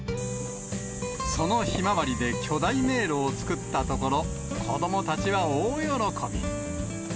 そのひまわりで巨大迷路を作ったところ、子どもたちは大喜び。